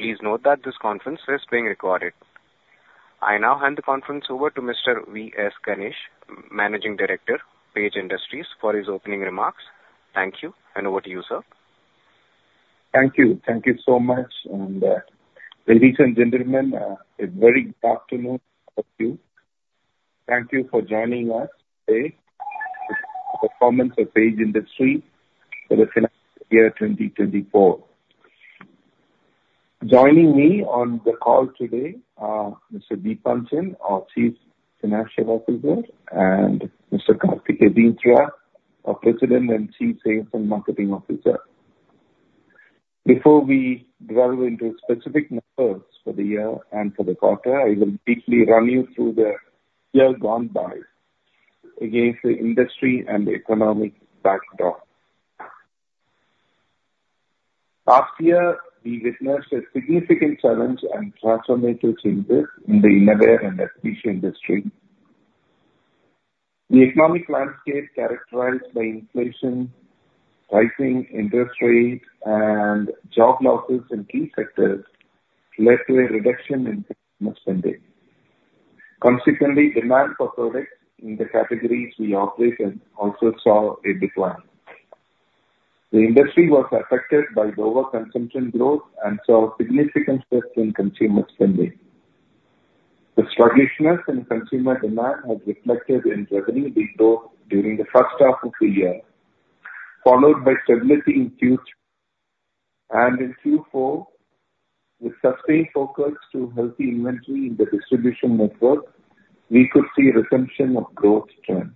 Please note that this conference is being recorded. I now hand the conference over to Mr. V.S. Ganesh, Managing Director, Page Industries, for his opening remarks. Thank you, and over to you, sir. Thank you. Thank you so much. Ladies and gentlemen, a very good afternoon to you. Thank you for joining us today for the performance of Page Industries for the financial year 2024. Joining me on the call today are Mr. Deepanjan, our Chief Financial Officer, and Mr. Karthik Yathindra, our President and Chief Sales and Marketing Officer. Before we delve into specific numbers for the year and for the quarter, I will briefly run you through the year gone by against the industry and economic backdrop. Last year, we witnessed a significant challenge and transformative changes in the innerwear and apparel industry. The economic landscape characterized by inflation, rising interest rates, and job losses in key sectors led to a reduction in consumer spending. Consequently, demand for products in the categories we operate in also saw a decline. The industry was affected by lower consumption growth and saw a significant shift in consumer spending. The sluggishness in consumer demand was reflected in revenue growth during the first half of the year, followed by stability in Q3 and in Q4, with sustained focus to healthy inventory in the distribution network, we could see a resumption of growth trends.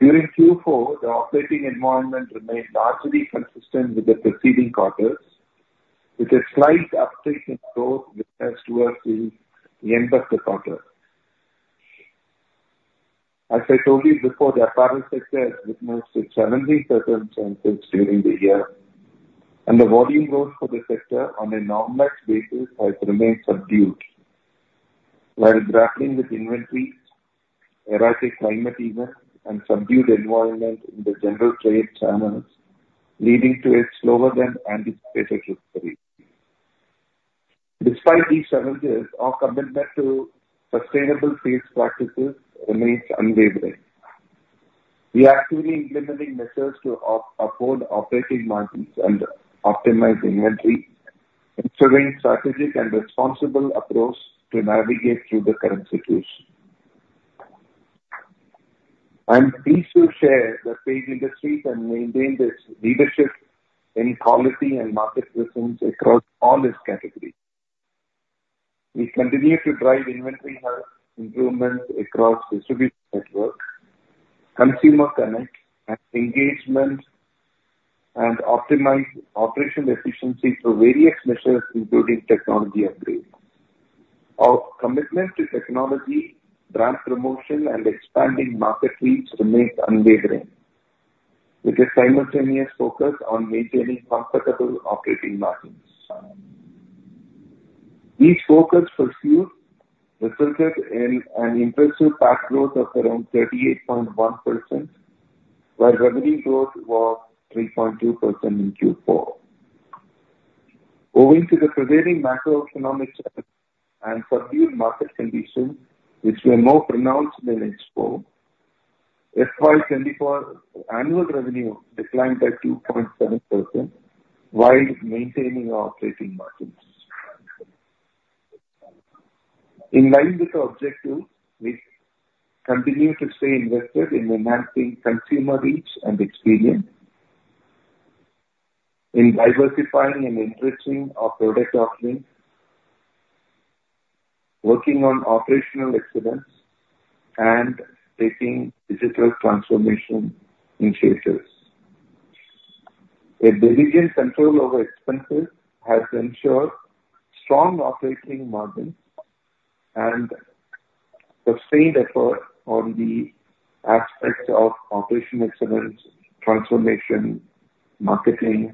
During Q4, the operating environment remained largely consistent with the preceding quarters, with a slight uptick in growth witnessed towards the end of the quarter. As I told you before, the apparel sector has witnessed challenging circumstances during the year, and the volume growth for the sector on a nominal basis has remained subdued. While grappling with inventory, erratic climate events and subdued environment in the general trade channels, leading to a slower than anticipated recovery. Despite these challenges, our commitment to sustainable sales practices remains unwavering. We are actively implementing measures to uphold operating margins and optimize inventory, ensuring strategic and responsible approach to navigate through the current situation. I'm pleased to share that Page Industries can maintain its leadership in quality and market presence across all its categories. We continue to drive inventory health, improvement across distribution network, consumer connect and engagement, and optimize operational efficiency through various measures, including technology upgrades. Our commitment to technology, brand promotion, and expanding market reach remains unwavering, with a simultaneous focus on maintaining profitable operating margins. These focus pursued resulted in an impressive PAT growth of around 38.1%, while revenue growth was 3.2% in Q4. Owing to the prevailing macroeconomic and subdued market conditions, which were more pronounced than expected, FY 2024 annual revenue declined by 2.7% while maintaining our operating margins. In line with our objectives, we continue to stay invested in enhancing consumer reach and experience, in diversifying and enriching our product offering, working on operational excellence, and taking digital transformation initiatives. A diligent control over expenses has ensured strong operating margins and sustained effort on the aspects of operational excellence, transformation, marketing,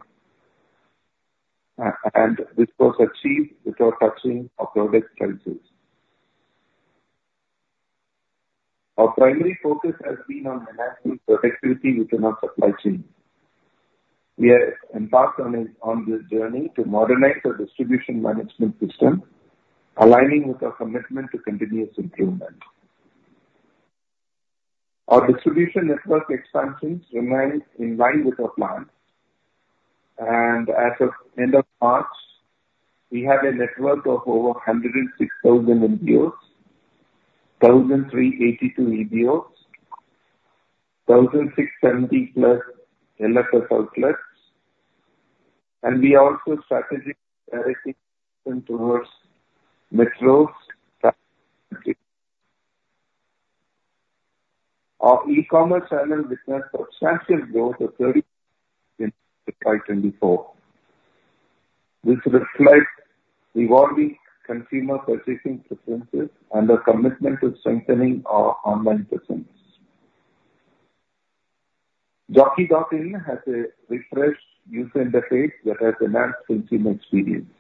and this was achieved without touching our product prices. Our primary focus has been on enhancing productivity within our supply chain. We are embarked on this journey to modernize our distribution management system, aligning with our commitment to continuous improvement. Our distribution network expansions remains in line with our plans, and as of end of March, we have a network of over 106,000 MBOs, 1,382 EBOs, 1,670+ LFS outlets, and we are also strategically directing towards metros. Our e-commerce channel witnessed substantial growth of 30% in FY 2024. This reflects evolving consumer purchasing preferences and our commitment to strengthening our online presence. Jockey.in has a refreshed user interface that has enhanced consumer experience.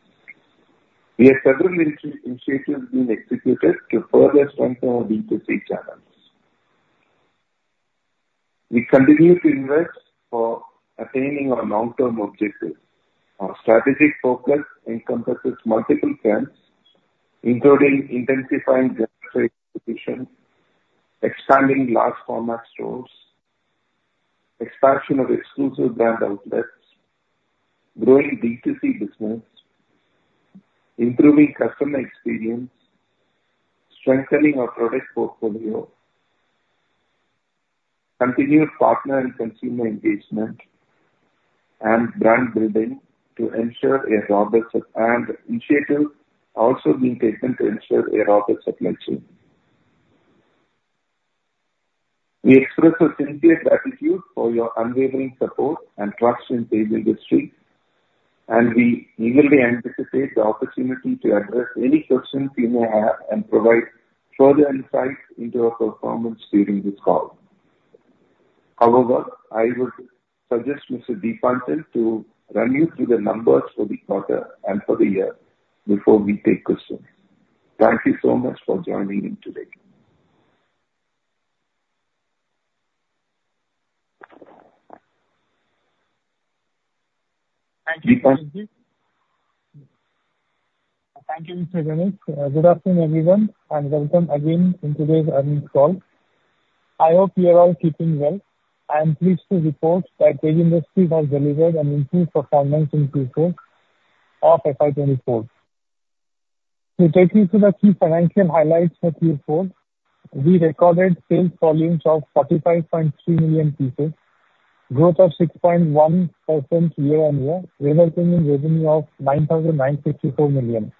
We have several initiatives being executed to further strengthen our B2C channels. We continue to invest for attaining our long-term objectives. Our strategic focus encompasses multiple plans, including intensifying our position in metros, expanding large format stores, expansion of exclusive brand outlets, growing B2C business, improving customer experience, strengthening our product portfolio, continued partner and consumer engagement, and brand building. Initiatives also being taken to ensure a robust supply chain. We express our sincere gratitude for your unwavering support and trust in Page Industries, and we eagerly anticipate the opportunity to address any questions you may have and provide further insight into our performance during this call. However, I would suggest Mr. Deepanjan, to run you through the numbers for the quarter and for the year before we take questions. Thank you so much for joining in today. Thank you. Thank you, Mr. Ganesh. Good afternoon, everyone, and welcome again in today's earnings call. I hope you are all keeping well. I am pleased to report that Page Industries has delivered an improved performance in Q4 of FY 2024. To take you through the key financial highlights for Q4, we recorded sales volumes of 45.3 million pieces, growth of 6.1% year-on-year, resulting in revenue of 9,954 million.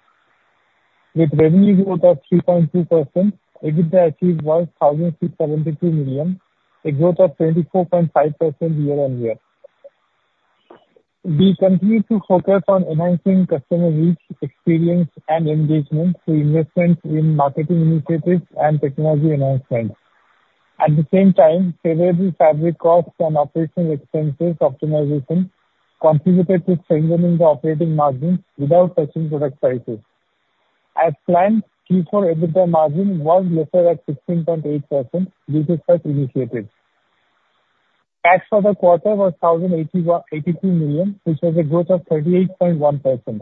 With revenue growth of 3.2%, EBITDA achieved 1,672 million, a growth of 24.5% year-on-year. We continue to focus on enhancing customer reach, experience, and engagement through investments in marketing initiatives and technology enhancements. At the same time, favorable fabric costs and operational expenses optimization contributed to strengthening the operating margins without touching product prices. As planned, Q4 EBITDA margin was lesser at 16.8%, due to cost initiatives. PAT for the quarter was 1,082 million, which was a growth of 38.1%.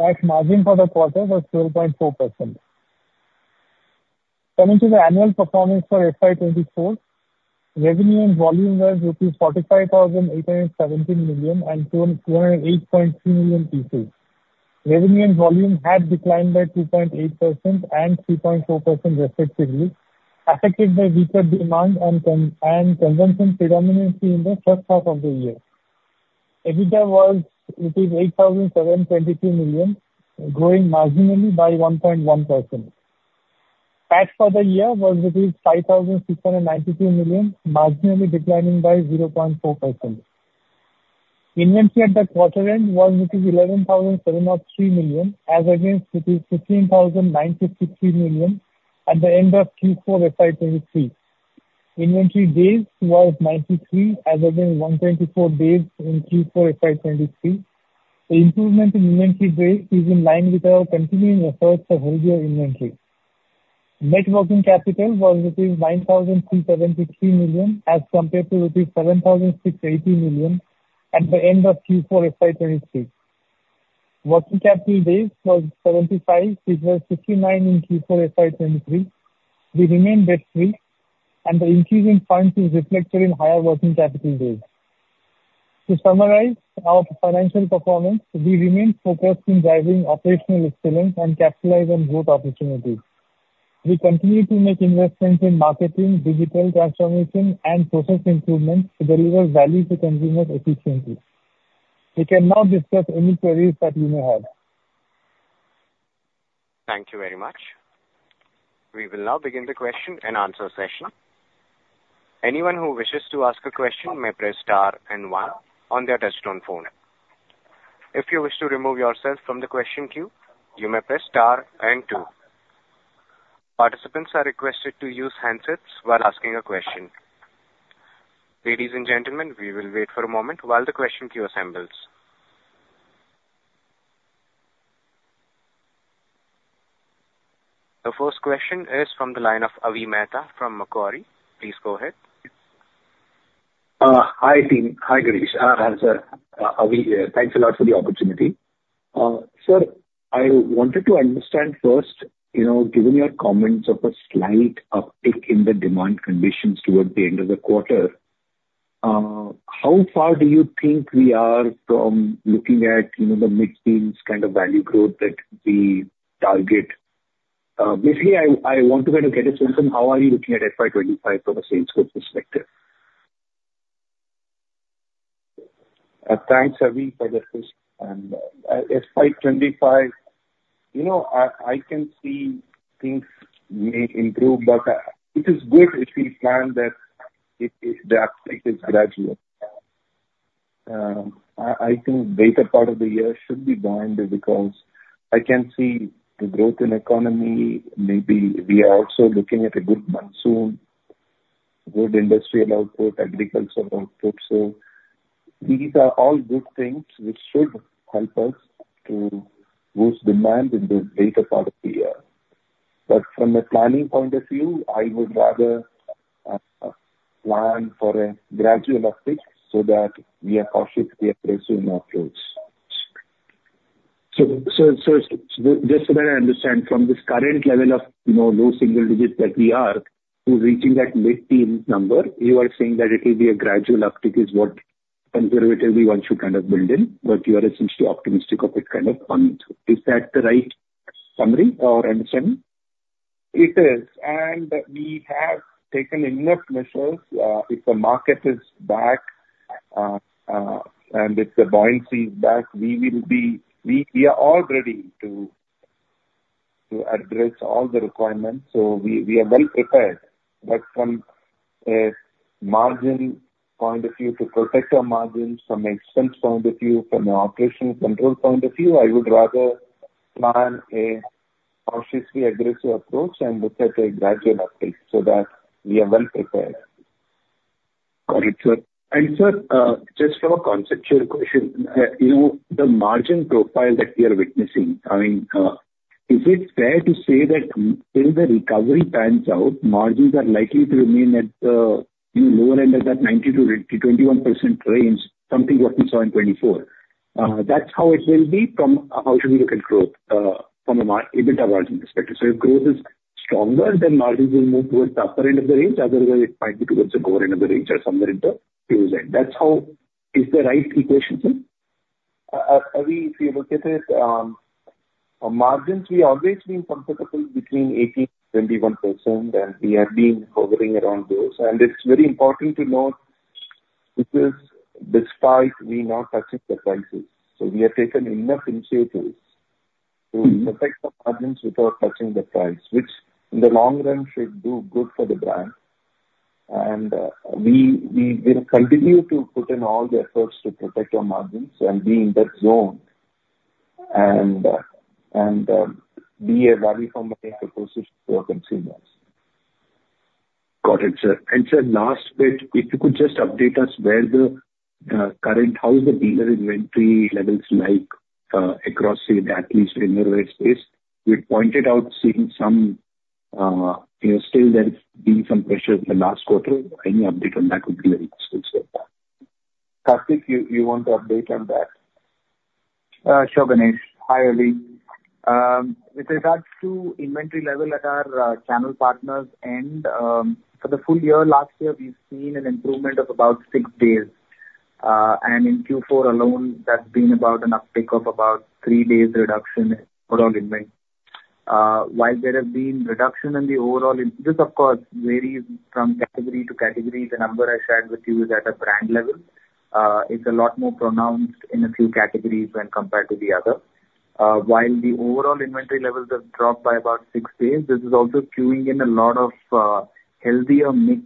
PAT margin for the quarter was 12.4%. Coming to the annual performance for FY 2024, revenue and volume was rupees 45,817 million and 208.3 million pieces. Revenue and volume had declined by 2.8% and 3.4%, respectively, affected by weaker demand and consumption predominantly in the first half of the year. EBITDA was rupees 8,722 million, growing marginally by 1.1%. PAT for the year was rupees 5,692 million, marginally declining by 0.4%. Inventory at the quarter end was 11,703 million, as against 15,953 million at the end of Q4 FY 2023. Inventory days was 93, as against 124 days in Q4 FY 2023. The improvement in inventory days is in line with our continuing efforts for healthier inventory. Net working capital was rupees 9,373 million, as compared to rupees 7,680 million at the end of Q4 FY 2023. Working capital days was 75 against 69 in Q4 FY 2023. We remain debt-free, and the increase in funds is reflected in higher working capital days. To summarize our financial performance, we remain focused in driving operational excellence and capitalize on growth opportunities. We continue to make investments in marketing, digital transformation, and process improvements to deliver value to consumers efficiently. We can now discuss any queries that you may have. Thank you very much. We will now begin the question and answer session. Anyone who wishes to ask a question may press star and one on their touchtone phone. If you wish to remove yourself from the question queue, you may press star and two. Participants are requested to use handsets while asking a question. Ladies and gentlemen, we will wait for a moment while the question queue assembles. The first question is from the line of Avi Mehta from Macquarie. Please go ahead. Hi, team. Hi, Ganesh, and, sir. Avi here. Thanks a lot for the opportunity. Sir, I wanted to understand first, you know, given your comments of a slight uptick in the demand conditions towards the end of the quarter, how far do you think we are from looking at, you know, the mid-teens kind of value growth that we target? Basically, I want to kind of get a sense on how are you looking at FY 25 from a sales growth perspective? Thanks, Avi, for the question. FY 25, you know, I can see things may improve, but, it is good if we plan that it, the uptick is gradual. I think better part of the year should be bound, because I can see the growth in economy. Maybe we are also looking at a good monsoon, good industrial output, agricultural output. So these are all good things which should help us to boost demand in the later part of the year. But from a planning point of view, I would rather plan for a gradual uptick so that we are cautiously addressing our approach. So just so that I understand, from this current level of, you know, low single digits that we are, to reaching that mid-teen number, you are saying that it will be a gradual uptick is what conservatively one should kind of build in, but you are essentially optimistic of it kind of coming through. Is that the right summary or understanding? It is, and we have taken enough measures, if the market is back, and if the buoyancy is back, we are all ready to address all the requirements. So we are well prepared. But from a margin point of view, to protect our margins from an expense point of view, from an operational control point of view, I would rather plan a cautiously aggressive approach and look at a gradual uptake so that we are well prepared. Got it, sir. And, sir, just from a conceptual question, you know, the margin profile that we are witnessing, I mean, is it fair to say that till the recovery pans out, margins are likely to remain at, in lower end of that 90%-21% range, something what we saw in 2024? That's how it will be from a EBITDA margin perspective. So if growth is stronger, then margins will move towards the upper end of the range, otherwise it might be towards the lower end of the range or somewhere in the middle then. That's how. Is the right equation, sir? If you look at it, our margins, we've always been comfortable between 18%-21%, and we have been hovering around those. It's very important to note, this is despite we not touching the prices. We have taken enough initiatives— Mm-hmm. —to protect the margins without touching the price, which in the long run should do good for the brand. We will continue to put in all the efforts to protect our margins and be in that zone and be a value for money proposition for our consumers. Got it, sir. Sir, last bit, if you could just update us where the current how is the dealer inventory levels like across say the athleisure in your space? You pointed out seeing some you know still there is being some pressure in the last quarter. Any update on that would be very useful, sir. Karthik, you want to update on that? Sure, Ganesh. Hi, Avi. With regards to inventory level at our channel partners and for the full year, last year, we've seen an improvement of about six days. In Q4 alone, that's been about an uptick of about three days reduction in overall inventory. While there has been reduction in the overall inventory, this of course varies from category to category. The number I shared with you is at a brand level. It's a lot more pronounced in a few categories when compared to the other. While the overall inventory levels have dropped by about six days, this is also cueing in a lot of healthier mix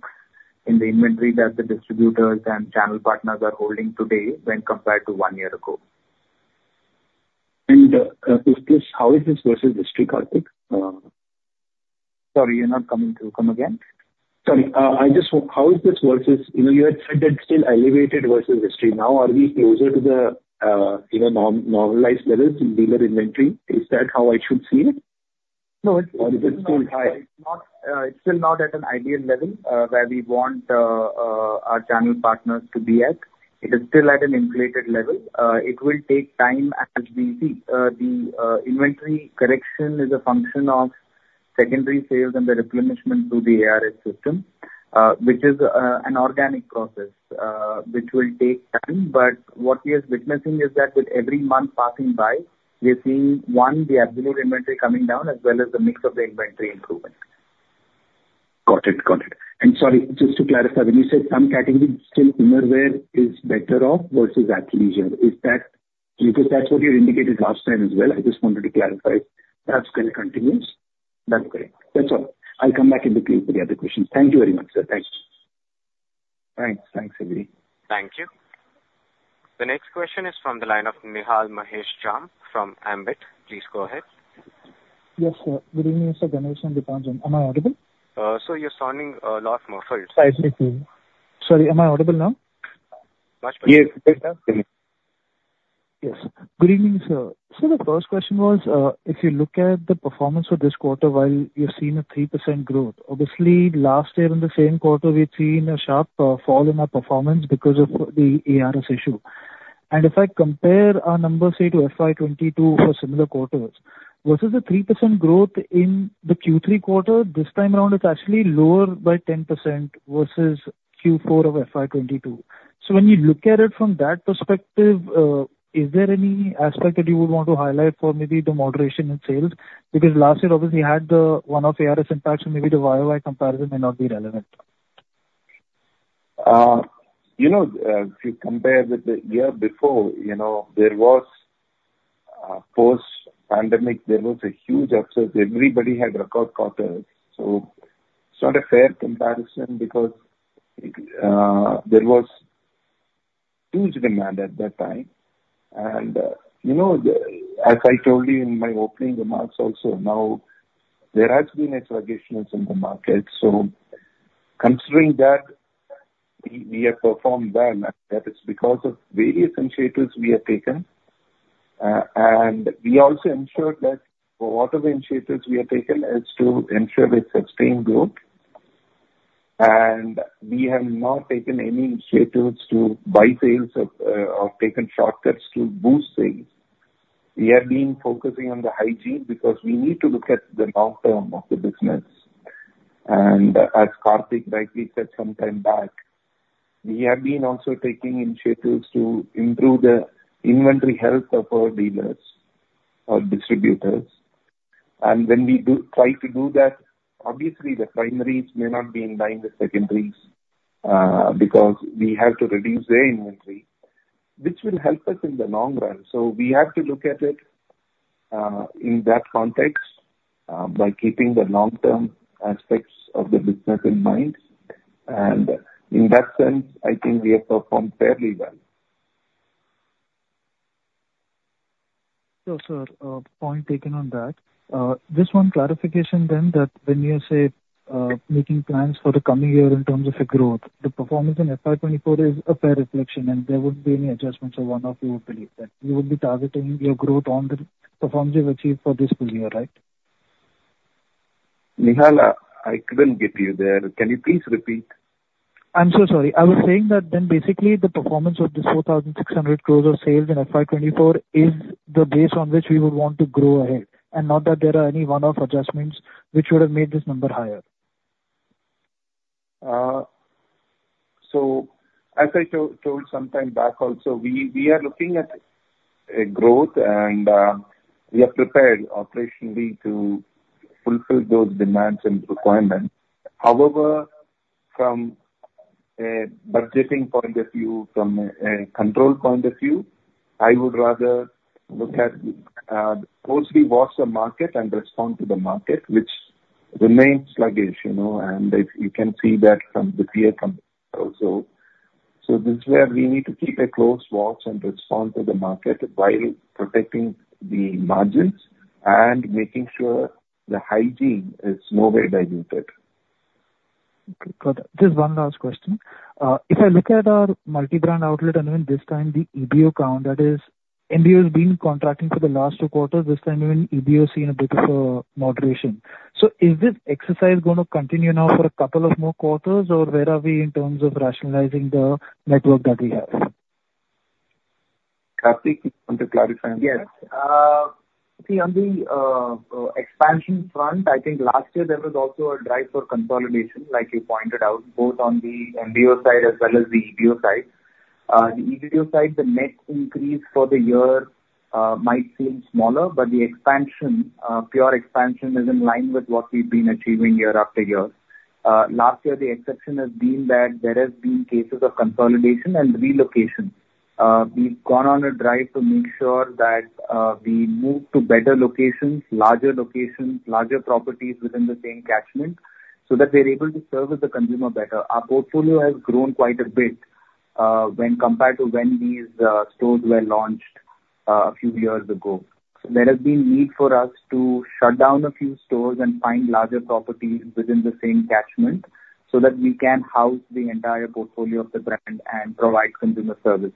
in the inventory that the distributors and channel partners are holding today when compared to one year ago. How is this versus history, Karthik? Sorry, you're not coming through. Come again. Sorry, I just want, how is this versus, you know, you had said that still elevated versus history. Now, are we closer to the, you know, normalized levels in dealer inventory? Is that how I should see it? No, it's- Or is it still high? It's not, it's still not at an ideal level, where we want, our channel partners to be at. It is still at an inflated level. It will take time as we see, the, inventory correction is a function of secondary sales and the replenishment through the ARS system, which is, an organic process, which will take time. But what we are witnessing is that with every month passing by, we are seeing, one, the absolute inventory coming down, as well as the mix of the inventory improvement. Got it. Got it. Sorry, just to clarify, when you said some categories, still innerwear is better off versus athleisure. Is that... because that's what you had indicated last time as well. I just wanted to clarify. That's correct, continues. That's correct. That's all. I'll come back in the queue for the other questions. Thank you very much, sir. Thanks. Thanks. Thanks, Ali. Thank you. The next question is from the line of Nihal Mahesh Jham from Ambit. Please go ahead. Yes, sir. Good evening, sir, Ganesh, Deepanjan. Am I audible? So you're sounding a lot more so. Sorry, thank you. Sorry, am I audible now? Much better. Yes. Good evening, sir. So the first question was, if you look at the performance of this quarter, while you're seeing a 3% growth, obviously, last year in the same quarter, we've seen a sharp fall in our performance because of the ARS issue. And if I compare our numbers, say, to FY 2022 for similar quarters, versus the 3% growth in the Q3 quarter, this time around, it's actually lower by 10% versus Q4 of FY 2022. So when you look at it from that perspective, is there any aspect that you would want to highlight for maybe the moderation in sales? Because last year, obviously, you had the one-off ARS impact, so maybe the YOY comparison may not be relevant. You know, if you compare with the year before, you know, there was post-pandemic, there was a huge upset. Everybody had record quarters, so it's not a fair comparison because there was huge demand at that time. And you know, as I told you in my opening remarks also, now there has been a sluggishness in the market. So considering that, we have performed well, and that is because of various initiatives we have taken. And we also ensured that for all of the initiatives we have taken, is to ensure the sustained growth. And we have not taken any initiatives to buy sales of, or taken shortcuts to boost sales. We have been focusing on the hygiene because we need to look at the long term of the business. And as Karthik rightly said sometime back, we have been also taking initiatives to improve the inventory health of our dealers or distributors. When we do try to do that, obviously the primaries may not be in line with secondaries, because we have to reduce their inventory, which will help us in the long run. We have to look at it in that context, by keeping the long term aspects of the business in mind. In that sense, I think we have performed fairly well. Sure, sir. Point taken on that. Just one clarification then, that when you say, making plans for the coming year in terms of the growth, the performance in FY 2024 is a fair reflection, and there wouldn't be any adjustments or one-off you would believe that. You would be targeting your growth on the performance you've achieved for this full year, right? Nihal, I couldn't get you there. Can you please repeat? I'm so sorry. I was saying that then basically the performance of this 4,600 crores of sales in FY 2024 is the base on which we would want to grow ahead, and not that there are any one-off adjustments which would have made this number higher. So as I told sometime back also, we are looking at a growth and we are prepared operationally to fulfill those demands and requirements. However, from a budgeting point of view, from a control point of view, I would rather look at, closely watch the market and respond to the market, which remains sluggish, you know, and if you can see that from the peer companies also. So this is where we need to keep a close watch and respond to the market while protecting the margins and making sure the hygiene is nowhere diluted. Okay, got it. Just one last question. If I look at our multi-brand outlet and even this time, the EBO count, that is, MBO has been contracting for the last two quarters. This time even EBO has seen a bit of, moderation. So is this exercise gonna continue now for a couple of more quarters, or where are we in terms of rationalizing the network that we have? Karthik, you want to clarify? Yes. See, on the expansion front, I think last year there was also a drive for consolidation, like you pointed out, both on the MBO side as well as the EBO side. The EBO side, the net increase for the year might seem smaller, but the expansion, pure expansion is in line with what we've been achieving year after year. Last year, the exception has been that there has been cases of consolidation and relocation. We've gone on a drive to make sure that we move to better locations, larger locations, larger properties within the same catchment, so that we're able to service the consumer better. Our portfolio has grown quite a bit, when compared to when these stores were launched, a few years ago. So there has been need for us to shut down a few stores and find larger properties within the same catchment, so that we can house the entire portfolio of the brand and provide consumer service.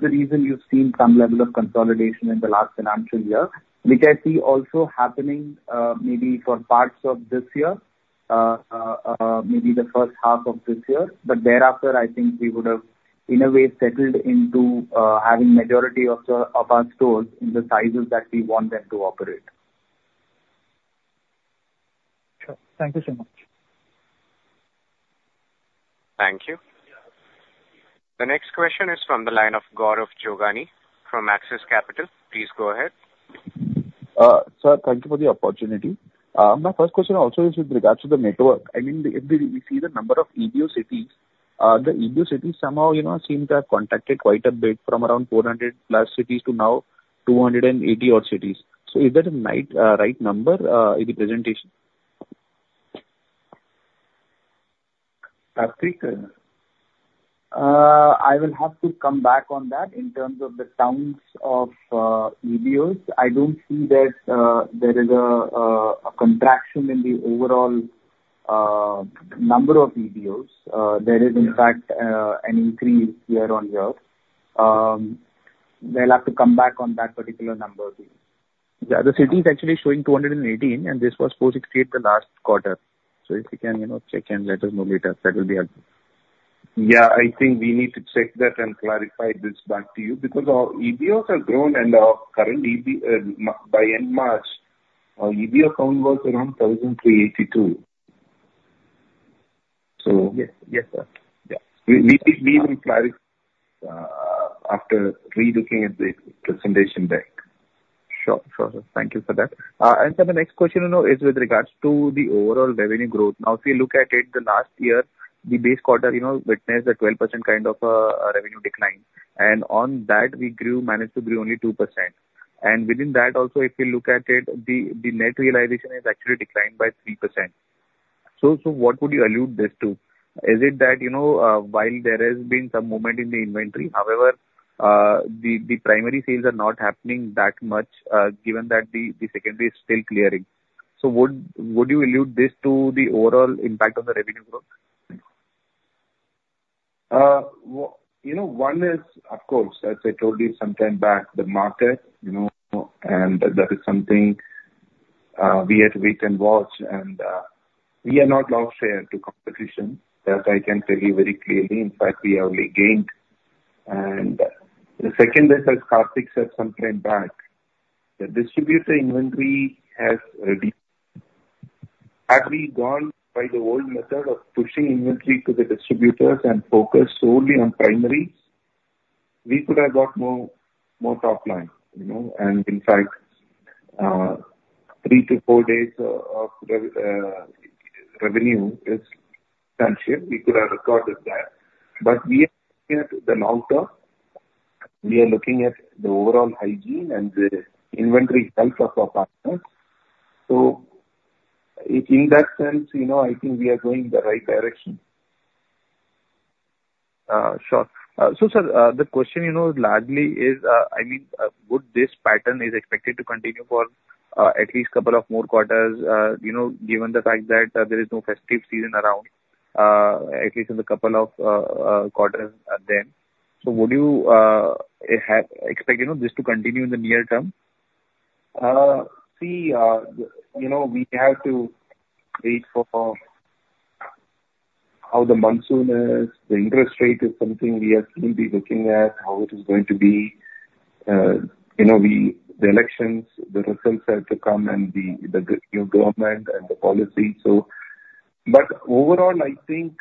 The reason you've seen some level of consolidation in the last financial year, which I see also happening, maybe for parts of this year, maybe the first half of this year, but thereafter, I think we would have, in a way, settled into having majority of our stores in the sizes that we want them to operate. Sure. Thank you so much. Thank you. The next question is from the line of Gaurav Jogani from Axis Capital. Please go ahead. Sir, thank you for the opportunity. My first question also is with regards to the network. I mean, if we, we see the number of EBO cities, the EBO cities somehow, you know, seems to have contracted quite a bit from around 400+ cities to now 280 odd cities. So is that a right, right number, in the presentation? Karthik? I will have to come back on that in terms of the towns of EBOs. I don't see that there is a contraction in the overall number of EBOs. There is- Yeah. In fact, an increase year on year. We'll have to come back on that particular number. Yeah, Citi is actually showing 218, and this was 468 the last quarter. So if you can, you know, check and let us know later, that will be helpful. Yeah, I think we need to check that and clarify this back to you, because our EBOs have grown and our current EB by end March, our EBO count was around 1,382. So- Yes. Yes, sir. Yeah, we will clarify after relooking at the presentation deck. Sure. Sure, sir. Thank you for that. And sir, the next question, you know, is with regards to the overall revenue growth. Now, if we look at it, the last year, the base quarter, you know, witnessed a 12% kind of revenue decline, and on that, we grew, managed to grow only 2%. And within that also, if you look at it, the net realization has actually declined by 3%. So, what would you allude this to? Is it that, you know, while there has been some movement in the inventory, however, the primary sales are not happening that much, given that the secondary is still clearing. So would you allude this to the overall impact on the revenue growth? Well, you know, one is of course, as I told you some time back, the market, you know, and that is something, we have to wait and watch, and, we are not lost share to competition, that I can tell you very clearly. In fact, we have only gained. And the second is, as Karthik said some time back, the distributor inventory has reduced. Had we gone by the old method of pushing inventory to the distributors and focus solely on primaries, we could have got more, more top line, you know? And in fact, three to four days of, revenue is sanctioned, we could have recorded that. But we are looking at the long term, we are looking at the overall hygiene and the inventory health of our partners. So in that sense, you know, I think we are going in the right direction. Sure. So, sir, the question, you know, largely is, I mean, would this pattern is expected to continue for at least couple of more quarters? You know, given the fact that there is no festive season around, at least in the couple of quarters then. So would you have expect, you know, this to continue in the near term? See, you know, we have to wait for how the monsoon is. The interest rate is something we are still be looking at, how it is going to be. You know, we, the elections, the results have to come and the, the new government and the policy. So, but overall, I think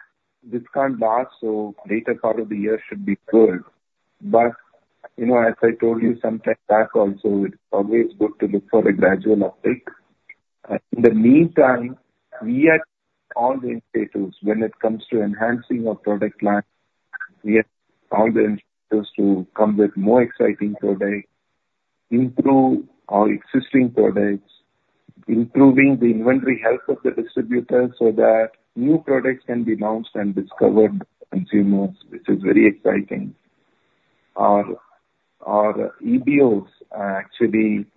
this can't last, so later part of the year should be good. But, you know, as I told you some time back also, it's always good to look for a gradual uptake. In the meantime, we are all the initiatives when it comes to enhancing our product line, we have all the initiatives to come with more exciting products, improve our existing products, improving the inventory health of the distributors so that new products can be launched and discovered consumers, which is very exciting. Our EBOs are actually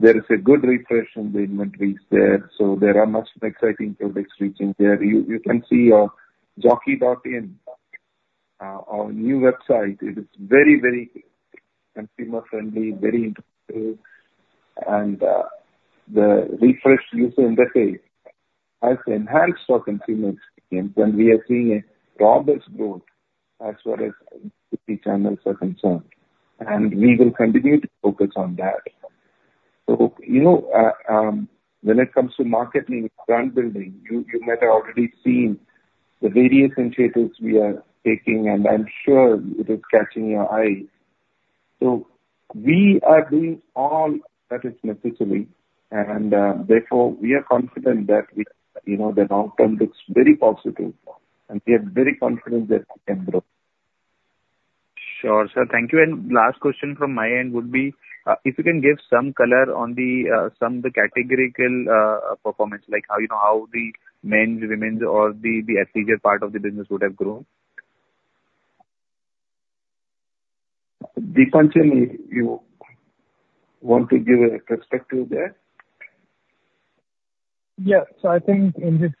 there is a good refresh in the inventories there, so there are much exciting products reaching there. You can see our Jockey.in, our new website. It is very, very consumer friendly, very interesting. And the refreshed user interface has enhanced our consumer experience, and we are seeing a robust growth as far as city channels are concerned, and we will continue to focus on that. So, you know, when it comes to marketing brand building, you might have already seen the various initiatives we are taking, and I'm sure it is catching your eye. So we are doing all that is necessary, and therefore, we are confident that, you know, the long term looks very positive, and we are very confident that it can grow. Sure, sir. Thank you. And last question from my end would be, if you can give some color on the, some of the categorical, performance, like, how, you know, how the men's, women's or the, the athleisure part of the business would have grown? Deepanjan, you want to give a perspective there? Yeah. So I think in this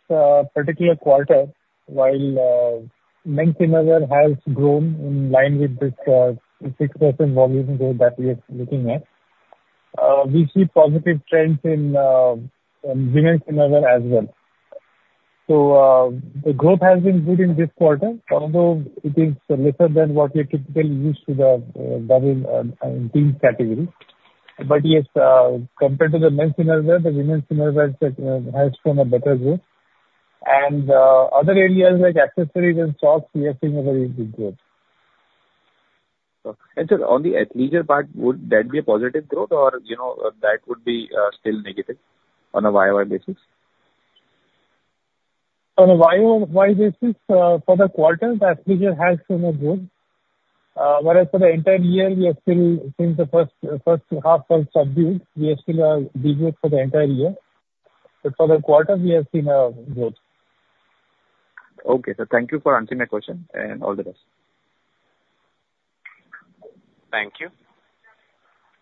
particular quarter, while men's innerwear has grown in line with this 6% volume growth that we are looking at, we see positive trends in women's innerwear as well. So the growth has been good in this quarter, although it is lesser than what we are typically used to the that in intimate category. But yes, compared to the men's innerwear, the women's innerwear has shown a better growth. And other areas like accessories and socks, we have seen a very good growth. And so on the athleisure part, would that be a positive growth or, you know, that would be still negative on a YOY basis? On a YOY basis, for the quarter, Athleisure has shown a growth. Whereas for the entire year, we are still since the first half are subdued, we are still down for the entire year. But for the quarter, we have seen a growth. Okay, sir, thank you for answering my question, and all the best. Thank you.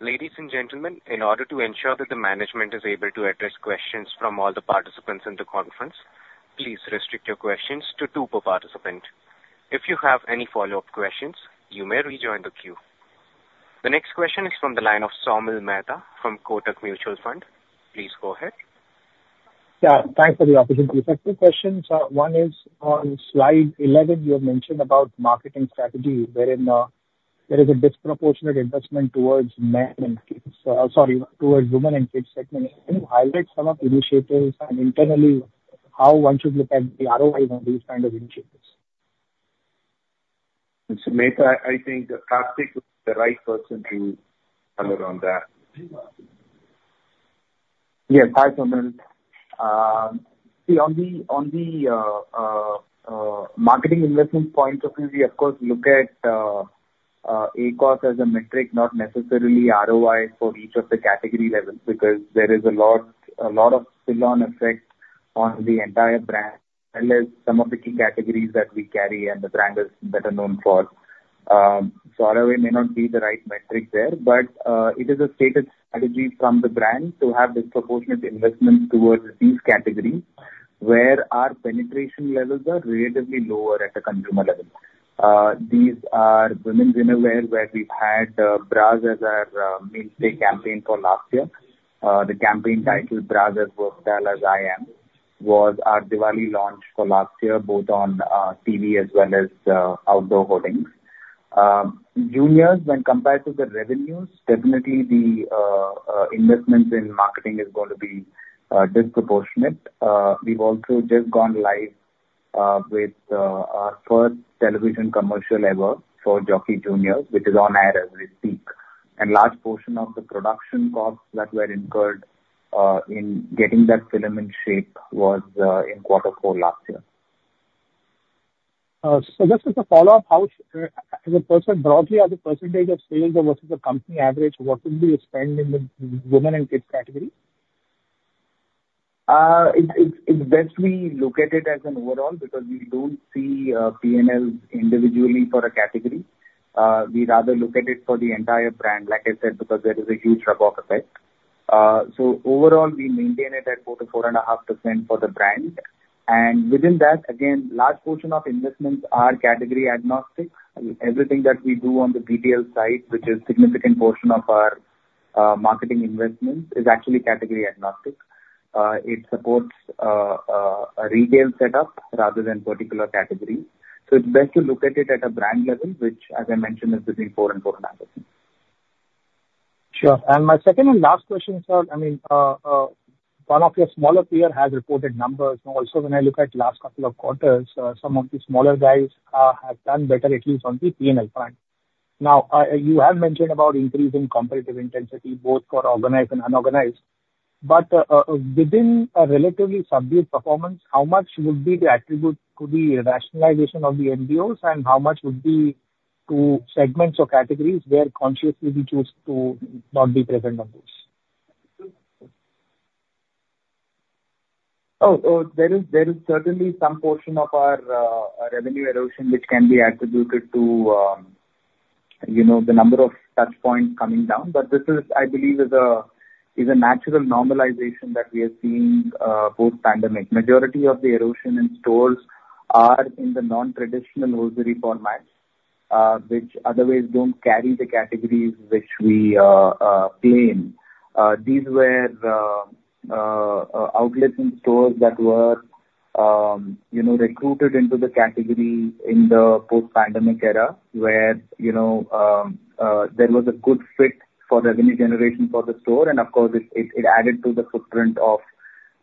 Ladies and gentlemen, in order to ensure that the management is able to address questions from all the participants in the conference, please restrict your questions to two per participant. If you have any follow-up questions, you may rejoin the queue. The next question is from the line of Somil Mehta from Kotak Mutual Fund. Please go ahead. Yeah, thanks for the opportunity. So two questions. One is, on slide 11, you have mentioned about marketing strategy, wherein, there is a disproportionate investment towards men and kids, sorry, towards women and kids segment. Can you highlight some of the initiatives and internally, how one should look at the ROI on these kind of initiatives? Mr. Mehta, I think Karthik is the right person to comment on that. Yeah. Hi, Somil. See, on the marketing investment point of view, we of course look at- ... ACOS as a metric, not necessarily ROI for each of the category levels, because there is a lot, a lot of spill-on effect on the entire brand, unless some of the key categories that we carry and the brand is better known for. So ROI may not be the right metric there, but it is a stated strategy from the brand to have disproportionate investments towards these categories, where our penetration levels are relatively lower at the consumer level. These are women's innerwear, where we've had bras as our mainstay campaign for last year. The campaign titled, "Bras as versatile as I am," was our Diwali launch for last year, both on TV as well as outdoor hoardings. Juniors, when compared to the revenues, definitely the investments in marketing is going to be disproportionate. We've also just gone live with our first television commercial ever for Jockey Juniors, which is on air every week. And large portion of the production costs that were incurred in getting that film in shape was in quarter four last year. So just as a follow-up, how as a percent- broadly, as a percentage of sales versus the company average, what will you spend in the women and kids category? It's best we look at it as an overall, because we don't see PNL individually for a category. We rather look at it for the entire brand, like I said, because there is a huge rub off effect. So overall, we maintain it at 4%-4.5% for the brand. And within that, again, large portion of investments are category agnostic. Everything that we do on the BTL side, which is significant portion of our marketing investments, is actually category agnostic. It supports a retail setup rather than particular category. So it's best to look at it at a brand level, which, as I mentioned, is between 4% and 4.5%. Sure. And my second and last question, sir, I mean, one of your smaller peer has reported numbers, and also when I look at last couple of quarters, some of the smaller guys have done better, at least on the PNL front. Now, you have mentioned about increase in competitive intensity, both for organized and unorganized. But, within a relatively subdued performance, how much would be the attribute to the rationalization of the MBOs, and how much would be to segments or categories where consciously we choose to not be present on those? Oh, there is certainly some portion of our revenue erosion, which can be attributed to, you know, the number of touchpoints coming down. But this is—I believe is a natural normalization that we are seeing post-pandemic. Majority of the erosion in stores are in the non-traditional grocery formats, which otherwise don't carry the categories which we play in. These were the outlets and stores that were, you know, recruited into the category in the post-pandemic era, where, you know, there was a good fit for revenue generation for the store, and of course, it added to the footprint of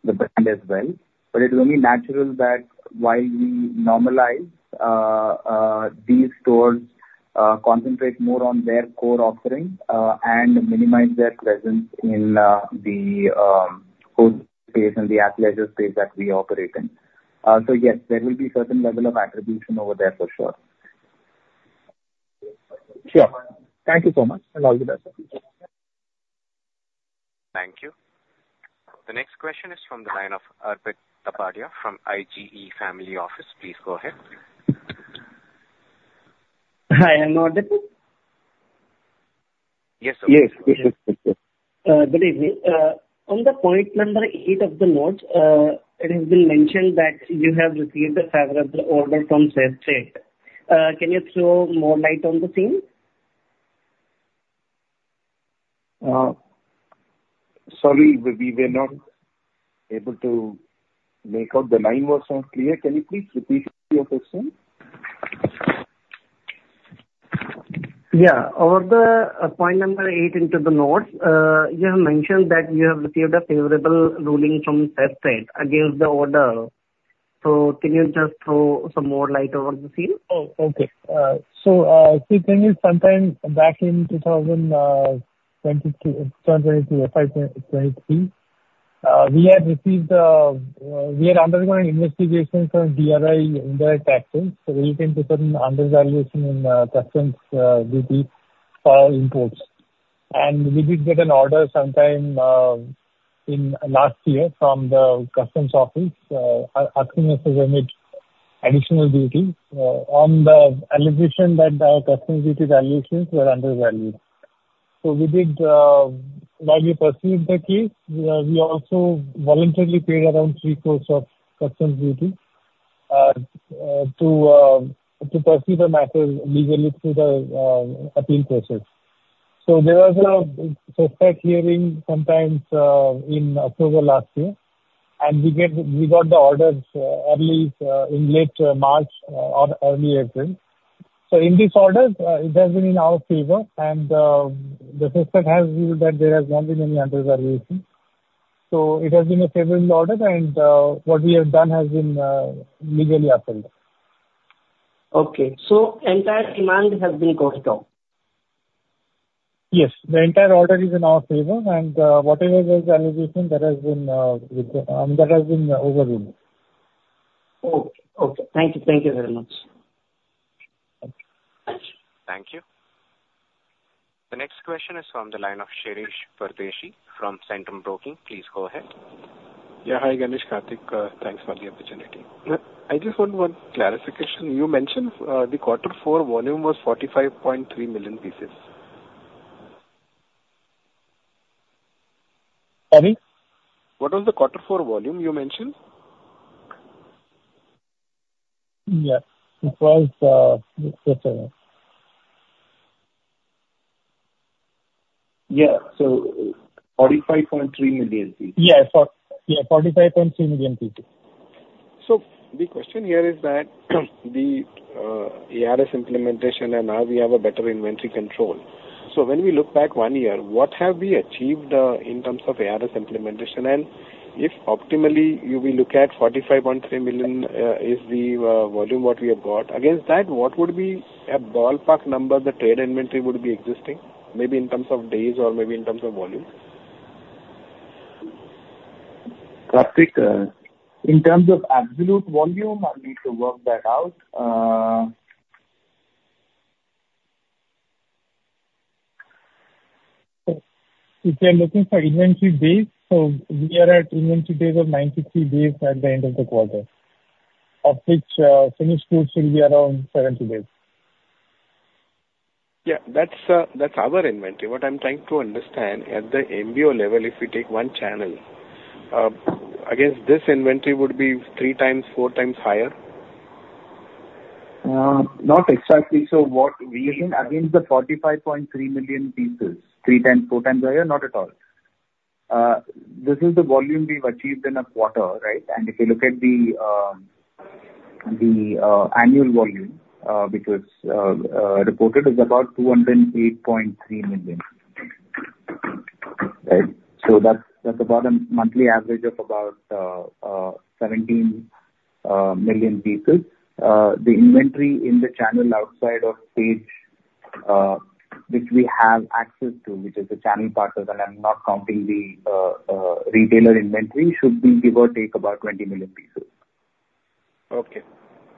the brand as well. But it's only natural that while we normalize these stores, concentrate more on their core offerings, and minimize their presence in the food space and the athleisure space that we operate in. So yes, there will be certain level of attrition over there for sure. Sure. Thank you so much, and all the best. Thank you. The next question is from the line of Arpit Tapadia from IGE Family Office. Please go ahead. Hi, I'm Arpit? Yes. Yes. Good evening. On the point number eight of the notes, it has been mentioned that you have received a favorable order from CESTAT. Can you throw more light on the same? Sorry, we were not able to make out. The line was not clear. Can you please repeat your question? Yeah. Over the point number 8 into the notes, you have mentioned that you have received a favorable ruling from CESTAT against the order. So can you just throw some more light over the scene? Oh, okay. So, if we can, sometime back in 2022, 2023, we had received, we were undergoing investigation from DRI, Indirect Taxes, relating to certain undervaluation in customs duty for imports. And we did get an order sometime in last year from the customs office, asking us to remit additional duty on the allegation that our customs duty valuations were undervalued. So we did, while we pursued the case, we also voluntarily paid around three-quarters of customs duty to pursue the matter legally through the appeal process. So there was a subsequent hearing sometime in October last year, and we got the orders early in late March or early April. So in this order, it has been in our favor, and the CESTAT has ruled that there has not been any undervaluation. So it has been a favorable order, and what we have done has been legally upheld. Okay. So entire demand has been got down?... Yes, the entire order is in our favor, and whatever there was an issue, that has been overruled. Okay. Okay. Thank you. Thank you very much. Thank you. Thank you. The next question is from the line of Shirish Pardeshi from Centrum Broking. Please go ahead. Yeah, hi, Ganesh, Karthik, thanks for the opportunity. I just want one clarification. You mentioned the quarter four volume was 45.3 million pieces. Pardon? What was the quarter four volume you mentioned? Yeah, it was, Yeah. So 45.3 million pieces. Yeah, 45.3 million pieces. So the question here is that the ARS implementation, and now we have a better inventory control. So when we look back one year, what have we achieved in terms of ARS implementation? And if optimally, you will look at 45.3 million is the volume what we have got, against that, what would be a ballpark number the trade inventory would be existing, maybe in terms of days or maybe in terms of volume? Karthik, in terms of absolute volume, I'll need to work that out. If you're looking for inventory days, so we are at inventory days of 93 days at the end of the quarter, of which, finished goods will be around 70 days. Yeah, that's our inventory. What I'm trying to understand, at the MBO level, if we take one channel, against this inventory would be three times, four times higher? Not exactly. So what we... Against the 45.3 million pieces, three times, four times higher? Not at all. This is the volume we've achieved in a quarter, right? And if you look at the annual volume, which was reported, is about 208.3 million. Right? So that's about a monthly average of about 17 million pieces. The inventory in the channel outside of Page, which we have access to, which is the channel partners, and I'm not counting the retailer inventory, should be give or take about 20 million pieces. Okay.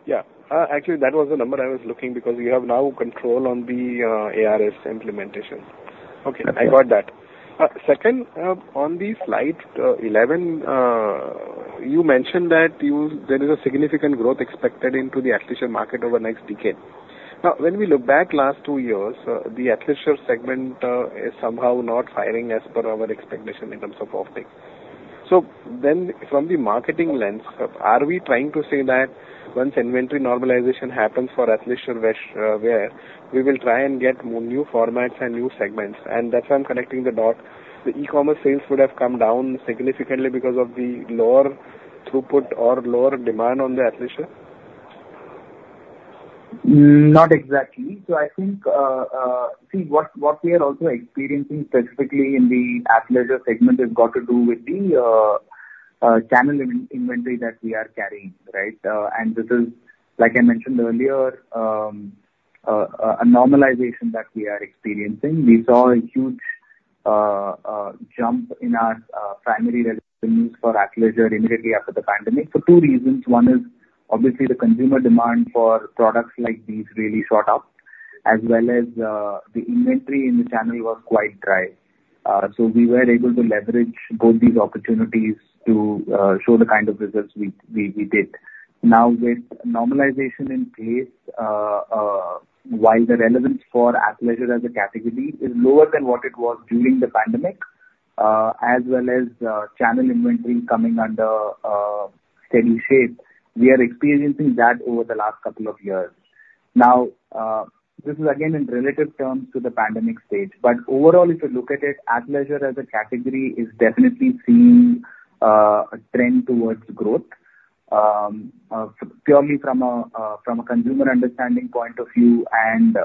Yeah. Actually, that was the number I was looking, because you have now control on the ARS implementation. Okay. I got that. Second, on the slide 11, you mentioned that there is a significant growth expected into the athleisure market over the next decade. Now, when we look back last two years, the athleisure segment is somehow not firing as per our expectation in terms of offtake. So then from the marketing lens, are we trying to say that once inventory normalization happens for athleisure loungewear, we will try and get more new formats and new segments, and that's why I'm connecting the dot? The e-commerce sales would have come down significantly because of the lower throughput or lower demand on the athleisure? Not exactly. So I think, what we are also experiencing specifically in the athleisure segment has got to do with the channel inventory that we are carrying, right? And this is, like I mentioned earlier, a normalization that we are experiencing. We saw a huge jump in our primary revenues for athleisure immediately after the pandemic for two reasons. One is obviously the consumer demand for products like these really shot up, as well as the inventory in the channel was quite dry. So we were able to leverage both these opportunities to show the kind of results we did. Now, with normalization in place, while the relevance for athleisure as a category is lower than what it was during the pandemic, as well as, channel inventory coming under, steady shape, we are experiencing that over the last couple of years. Now, this is again, in relative terms to the pandemic stage, but overall, if you look at it, athleisure as a category is definitely seeing, a trend towards growth. Purely from a, from a consumer understanding point of view and,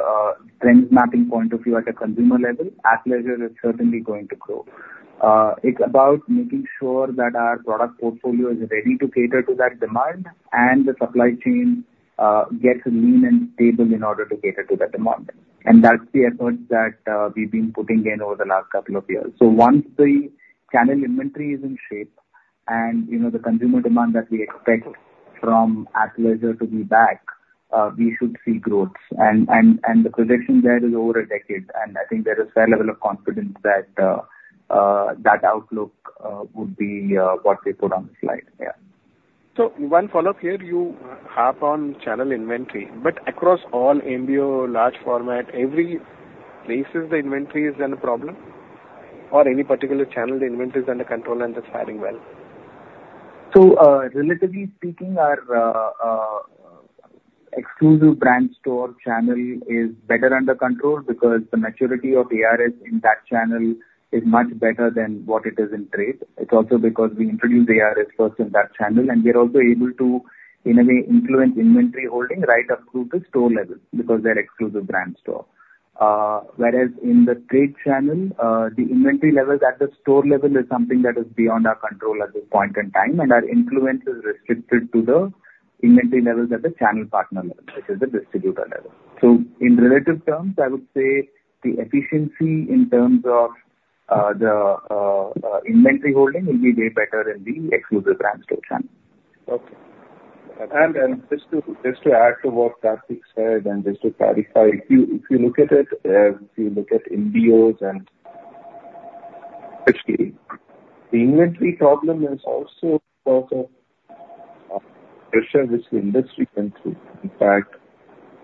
trend mapping point of view, at a consumer level, athleisure is certainly going to grow. It's about making sure that our product portfolio is ready to cater to that demand, and the supply chain, gets lean and stable in order to cater to that demand. That's the effort that we've been putting in over the last couple of years. So once the channel inventory is in shape and, you know, the consumer demand that we expect from athleisure to be back, we should see growth. And the projection there is over a decade, and I think there is fair level of confidence that that outlook would be what we put on the slide. Yeah. One follow-up here, you harp on channel inventory, but across all MBO large format, every place the inventory is a problem, or any particular channel the inventory is under control and is faring well? So, relatively speaking, our exclusive brand store channel is better under control because the maturity of ARS in that channel is much better than what it is in trade. It's also because we introduced ARS first in that channel, and we are also able to, in a way, influence inventory holding right up to the store level, because they're exclusive brand store. Whereas in the trade channel, the inventory levels at the store level is something that is beyond our control at this point in time, and our influence is restricted to the inventory levels at the channel partner level, which is the distributor level.... So in relative terms, I would say the efficiency in terms of the inventory holding will be way better in the exclusive brand stores. Okay. And then just to add to what Karthik said, and just to clarify, if you look at it, if you look at uncertain, the inventory problem is also part of pressure which the industry went through. In fact,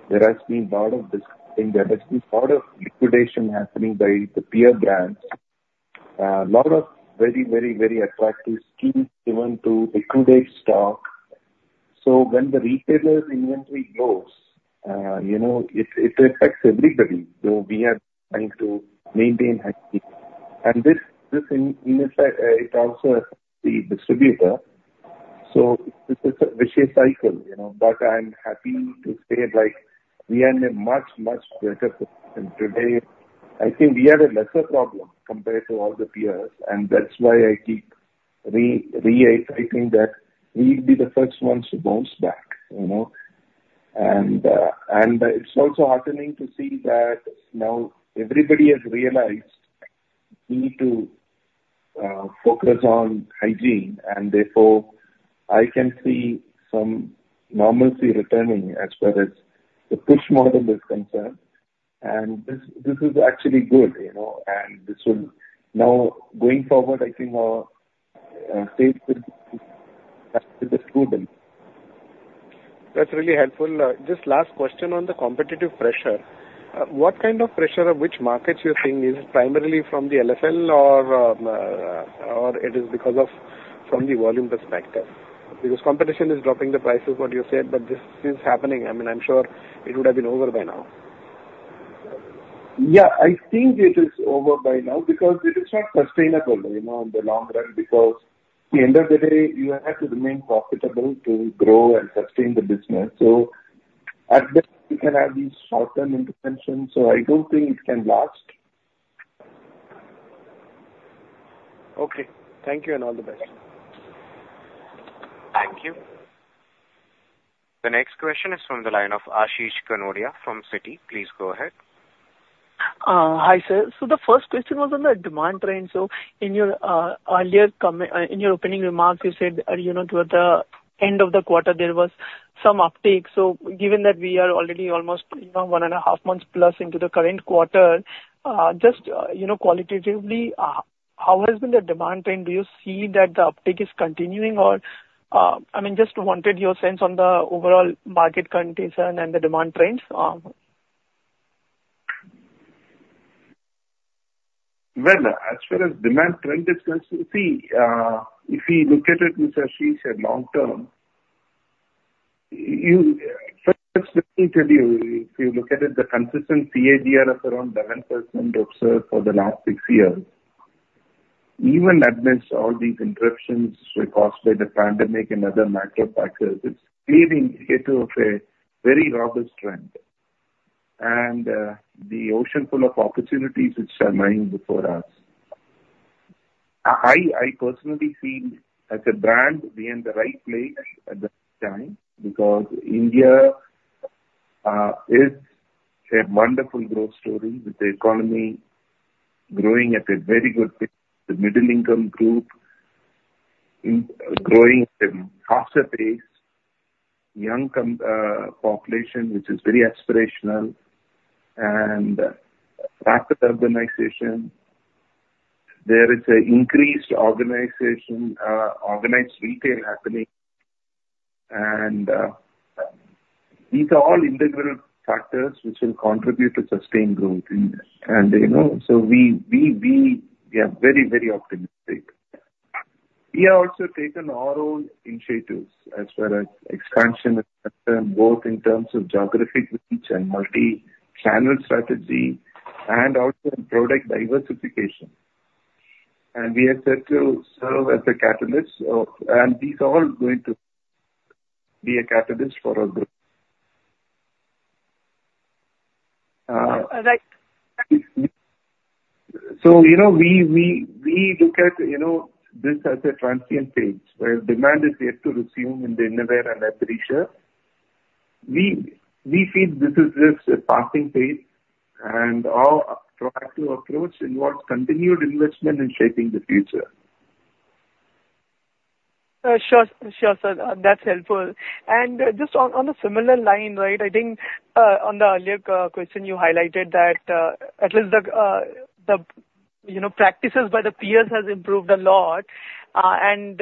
there has been lot of this, and there has been lot of liquidation happening by the peer brands. Lot of very, very, very attractive schemes given to liquidate stock. So when the retailer's inventory goes, you know, it affects everybody. So we are trying to maintain high, and this in effect it also the distributor. So this is a vicious cycle, you know, but I'm happy to say, like, we are in a much, much better position today. I think we have a lesser problem compared to all the peers, and that's why I keep reiterating that we'll be the first ones to bounce back, you know? And it's also heartening to see that now everybody has realized we need to focus on hygiene, and therefore, I can see some normalcy returning as far as the push model is concerned. And this, this is actually good, you know, and this will... Now, going forward, I think our That's really helpful. Just last question on the competitive pressure. What kind of pressure or which markets you're seeing? Is it primarily from the uncertain or, or it is because of from the volume perspective? Because competition is dropping the prices, what you said, but this is happening. I mean, I'm sure it would have been over by now. Yeah, I think it is over by now because it is not sustainable, you know, in the long run, because at the end of the day, you have to remain profitable to grow and sustain the business. So at best, you can have these short-term interventions, so I don't think it can last. Okay. Thank you, and all the best. Thank you. The next question is from the line of Ashish Kanodia from Citi. Please go ahead. Hi, sir. So the first question was on the demand trend. So in your earlier, in your opening remarks, you said, you know, toward the end of the quarter, there was some uptake. So given that we are already almost, you know, 1.5+ months into the current quarter, just, you know, qualitatively, how has been the demand trend? Do you see that the uptake is continuing or, I mean, just wanted your sense on the overall market condition and the demand trends? Well, as far as demand trend is concerned, you see, if we look at it, Mr. Ashish, at long term, first let me tell you, if you look at it, the consistent CAGR of around 11% observed for the last six years, even amidst all these interruptions caused by the pandemic and other macro factors, it's clear indicator of a very robust trend. And, the ocean full of opportunities which are lying before us. I personally feel as a brand, we're in the right place at the right time, because India is a wonderful growth story, with the economy growing at a very good pace, the middle income group growing at a faster pace, young coming population, which is very aspirational, and rapid urbanization. There is an increased organization, organized retail happening, and these are all integral factors which will contribute to sustained growth in India. You know, so we are very, very optimistic. We have also taken our own initiatives as far as expansion is concerned, both in terms of geographic reach and multi-channel strategy, and also in product diversification. We are set to serve as a catalyst, and these are all going to be a catalyst for our growth. Uh, right. So, you know, we look at, you know, this as a transient phase, where demand is yet to resume in the innerwear and apparel. We feel this is just a passing phase, and our proactive approach involves continued investment in shaping the future. Sure, sure, sir, that's helpful. And just on a similar line, right, I think on the earlier question you highlighted that at least the you know practices by the peers has improved a lot. And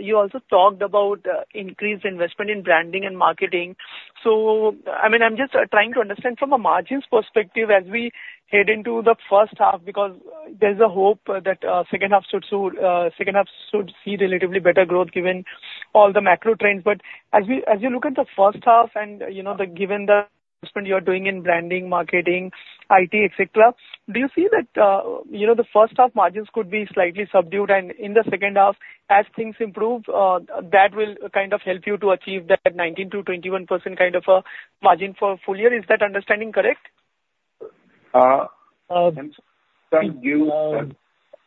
you also talked about increased investment in branding and marketing. So, I mean, I'm just trying to understand from a margins perspective as we head into the first half, because there's a hope that second half should soon see relatively better growth, given all the macro trends. But as you look at the first half and, you know, given the investment you are doing in branding, marketing, IT, et cetera, do you see that, you know, the first half margins could be slightly subdued, and in the second half, as things improve, that will kind of help you to achieve that 19%-21% kind of a margin for full year? Is that understanding correct?... and thank you for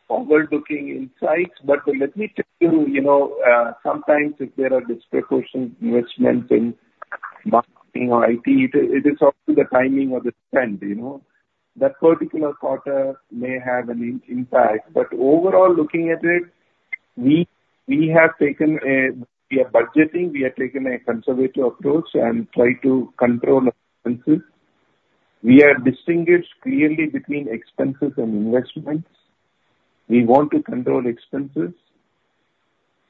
forward-looking insights. But let me tell you, you know, sometimes if there are disproportionate investments in marketing or IT, it is up to the timing of the spend, you know? That particular quarter may have an impact, but overall, looking at it, we have taken a- we are budgeting, we have taken a conservative approach and try to control expenses. We have distinguished clearly between expenses and investments. We want to control expenses,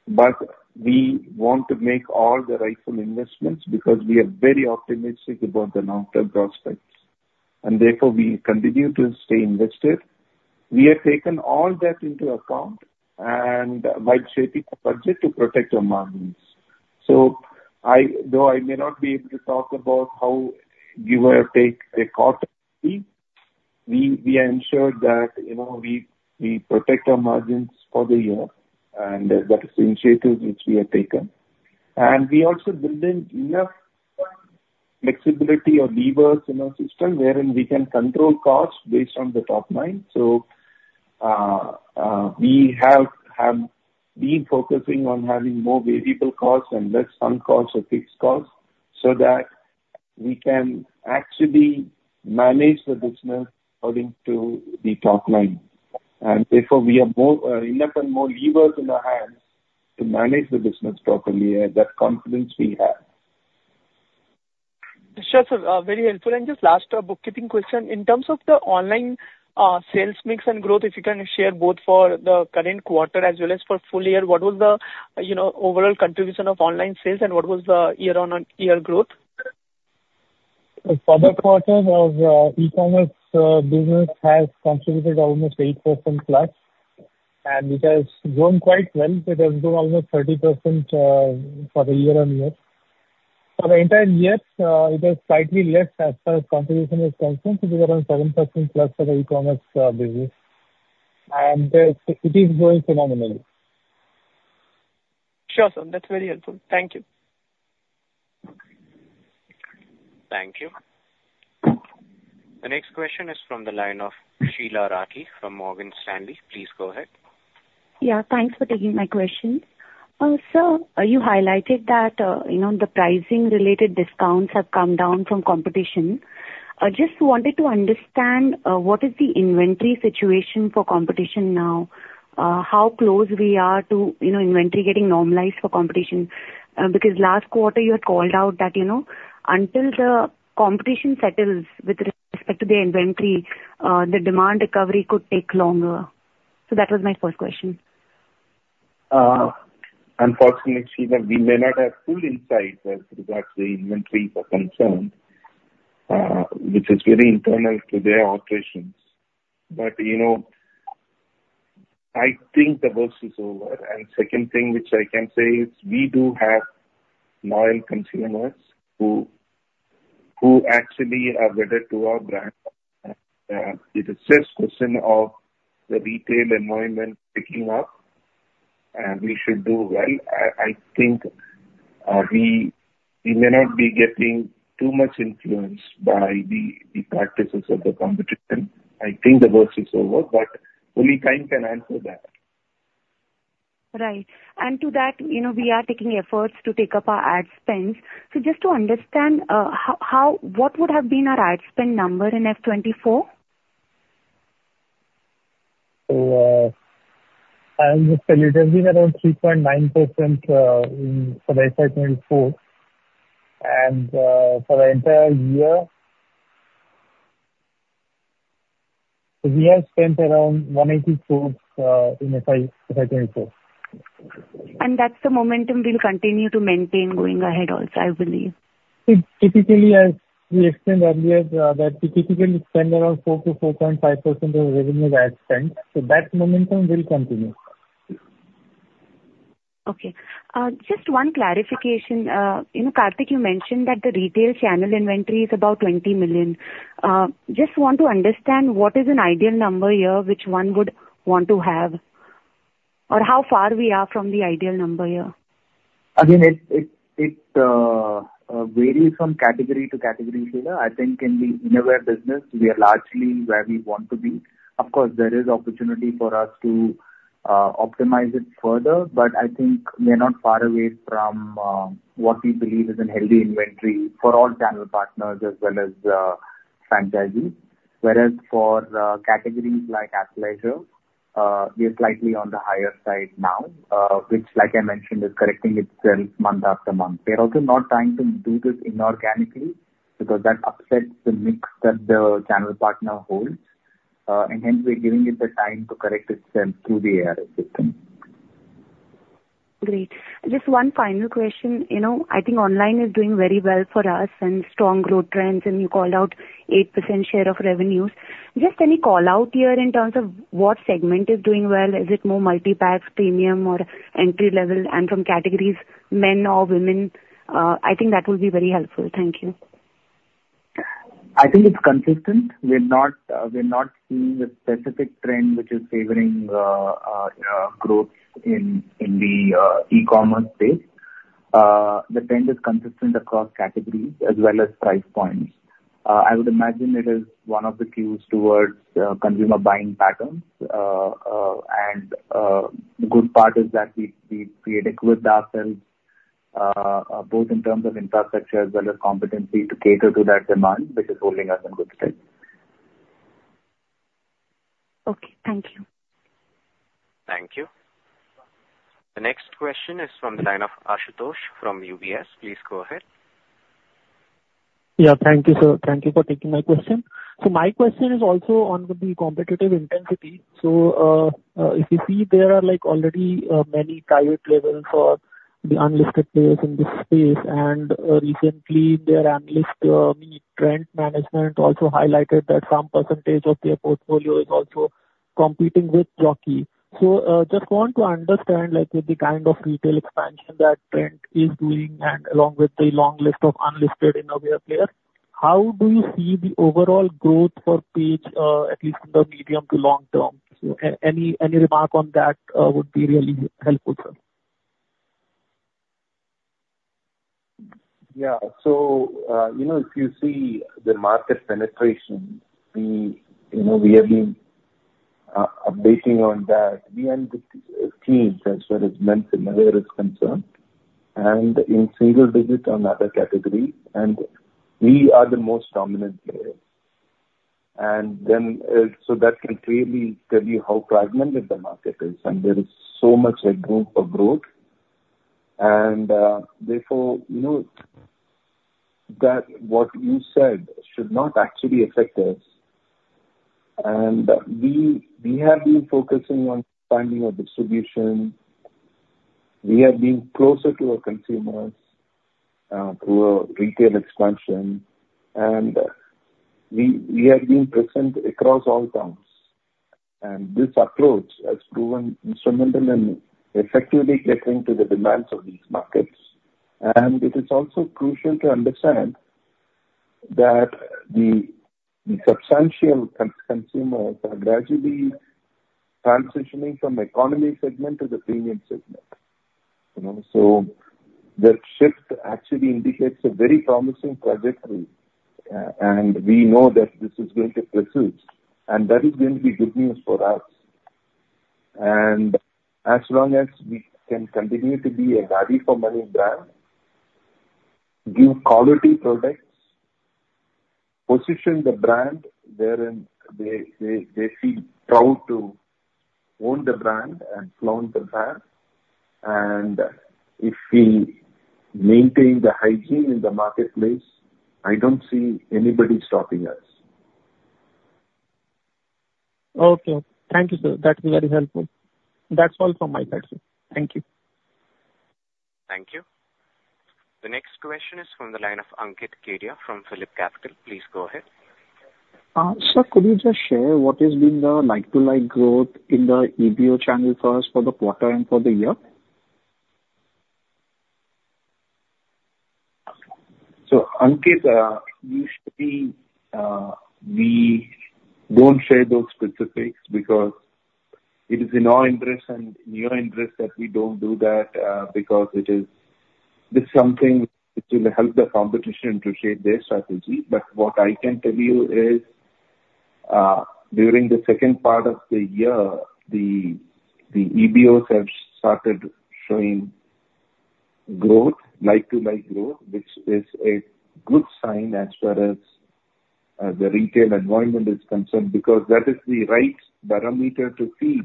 but we want to make all the rightful investments, because we are very optimistic about the long-term prospects, and therefore, we continue to stay invested. We have taken all that into account, and by shaping the budget to protect our margins. So, though I may not be able to talk about how we will take a quarter fee, we ensured that, you know, we protect our margins for the year, and that is the initiatives which we have taken. And we are also building enough flexibility or levers in our system wherein we can control costs based on the top line. We have been focusing on having more variable costs and less sunk costs or fixed costs, so that we can actually manage the business according to the top line. And therefore, we have more enough and more levers in our hands to manage the business properly, and that confidence we have. Sure, sir, very helpful. Just last, a bookkeeping question. In terms of the online sales mix and growth, if you can share both for the current quarter as well as for full year, what was the, you know, overall contribution of online sales, and what was the year-on-year growth? For the quarter of e-commerce business has contributed almost 8%+, and it has grown quite well. It has grown almost 30% for the year-on-year. For the entire year, it is slightly less as far as contribution is concerned, it is around 7%+ for the e-commerce business, and it is growing phenomenally. Sure, sir, that's very helpful. Thank you. Thank you. The next question is from the line of Sheila Rathi from Morgan Stanley. Please go ahead. Yeah, thanks for taking my question. Sir, you highlighted that, you know, the pricing-related discounts have come down from competition. I just wanted to understand what is the inventory situation for competition now? How close we are to, you know, inventory getting normalized for competition? Because last quarter, you had called out that, you know, until the competition settles with respect to the inventory, the demand recovery could take longer. So that was my first question. Unfortunately, Sheila, we may not have full insight as regards the inventory are concerned, which is very internal to their operations. But, you know, I think the worst is over. Second thing, which I can say, is we do have loyal consumers who actually are wedded to our brand. It is just question of the retail environment picking up, and we should do well. I think we may not be getting too much influence by the practices of the competition. I think the worst is over, but only time can answer that. Right. And to that, you know, we are taking efforts to take up our ad spends. So just to understand how what would have been our ad spend number in FY 2024? So, as it has been around 3.9% in FY 2024, and for the entire year, we have spent around 184 in FY 2024. That's the momentum we'll continue to maintain going ahead also, I believe. Typically, as we explained earlier, that we typically spend around 4-4.5% of revenue as ad spend, so that momentum will continue. Okay. Just one clarification. You know, Karthik, you mentioned that the retail channel inventory is about 20 million. Just want to understand what is an ideal number here, which one would want to have, or how far we are from the ideal number here? Again, it varies from category to category, Sheila. I think in the Innerwear business, we are largely where we want to be. Of course, there is opportunity for us to optimize it further, but I think we are not far away from what we believe is a healthy inventory for all channel partners as well as franchisees. Whereas for categories like Athleisure, we are slightly on the higher side now, which, like I mentioned, is correcting itself month after month. We are also not trying to do this inorganically, because that upsets the mix that the channel partner holds, and hence we're giving it the time to correct itself through the ARS system. Great. Just one final question. You know, I think online is doing very well for us and strong growth trends, and you called out 8% share of revenues. Just any call out here in terms of what segment is doing well? Is it more multipacks, premium or entry-level, and from categories, men or women? I think that would be very helpful. Thank you. I think it's consistent. We're not, we're not seeing a specific trend which is favoring, growth in, in the, e-commerce space.... The trend is consistent across categories as well as price points. I would imagine it is one of the cues towards consumer buying patterns. And the good part is that we've equipped ourselves both in terms of infrastructure as well as competency to cater to that demand, which is holding us in good stead. Okay, thank you. Thank you. The next question is from the line of Ashutosh from UBS. Please go ahead. Yeah, thank you, sir. Thank you for taking my question. So my question is also on the competitive intensity. So, if you see, there are like already many private labels or the unlisted players in this space, and recently their analyst mentioned Trent management also highlighted that some percentage of their portfolio is also competing with Jockey. So, just want to understand, like, with the kind of retail expansion that Trent is doing and along with the long list of unlisted underware players, how do you see the overall growth for Page, at least in the medium to long term? So any remark on that would be really helpful, sir. Yeah. So, you know, if you see the market penetration, we, you know, we have been updating on that. We in the teens as well as men's innerwear is concerned, and in single digits in other category, and we are the most dominant player. And then, so that can clearly tell you how fragmented the market is, and there is so much, like, room for growth. And, therefore, you know, that what you said should not actually affect us. And we, we have been focusing on expanding our distribution. We have been closer to our consumers, through our retail expansion, and we, we have been present across all towns. And this approach has proven instrumental in effectively catering to the demands of these markets. It is also crucial to understand that the substantial consumers are gradually transitioning from economy segment to the premium segment, you know? So the shift actually indicates a very promising trajectory, and we know that this is going to pursue, and that is going to be good news for us. As long as we can continue to be a value for money brand, give quality products, position the brand wherein they feel proud to own the brand and flaunt the brand, and if we maintain the hygiene in the marketplace, I don't see anybody stopping us. Okay. Thank you, sir. That's very helpful. That's all from my side, sir. Thank you. Thank you. The next question is from the line of Ankit Kedia from PhillipCapital. Please go ahead. Sir, could you just share what has been the like-to-like growth in the EBO channel first for the quarter and for the year? So, Ankit, usually, we don't share those specifics because it is in our interest and in your interest that we don't do that, because it is... This is something which will help the competition to shape their strategy. But what I can tell you is, during the second part of the year, the EBOs have started showing growth, like-to-like growth, which is a good sign as far as the retail environment is concerned, because that is the right barometer to see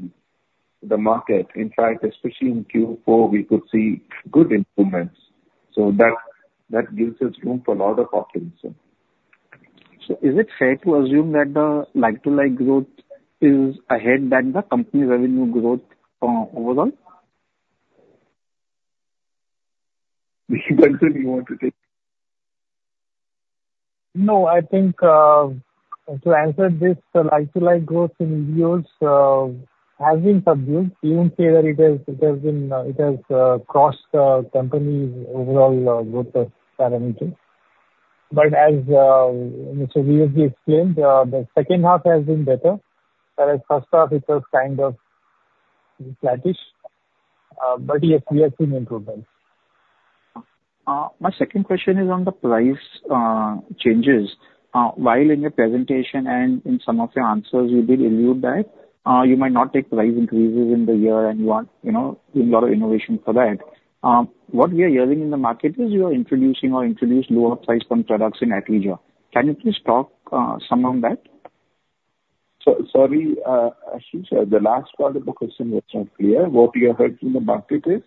the market. In fact, especially in Q4, we could see good improvements. So that gives us room for a lot of optimism. Is it fair to assume that the like-for-like growth is ahead than the company's revenue growth, overall? Rahul, you want to take? No, I think, to answer this, the like-to-like growth in EBOs has been subdued. You can say that it has crossed the company's overall growth parameter. But as Mr. V.Sexplained, the second half has been better. Whereas first half, it was kind of flattish. But yes, we have seen improvements. My second question is on the price changes. While in your presentation and in some of your answers, you did allude that you might not take price increases in the year and you are, you know, doing a lot of innovation for that. What we are hearing in the market is you are introducing or introduced lower price point products in Athleisure. Can you please talk some on that? So sorry, Ashish, the last part of the question was not clear. What you have heard in the market is?